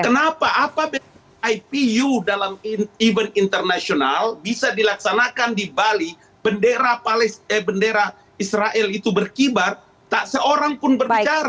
kenapa apabila itu dalam event internasional bisa dilaksanakan di bali bendera israel itu berkibar tak seorang pun berbicara